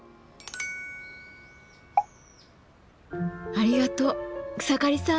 ありがとう草刈さん。